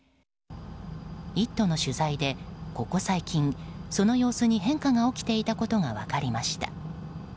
「イット！」の取材でここ最近、その様子に変化が起きていたことが分かりました。